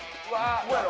こうやろ。